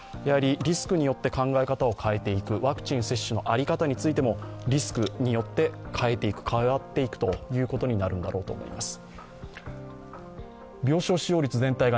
リスクによって考え方を変えていくワクチン接種の在り方によっても、リスクによって変わっていくということになるんだろうと思います。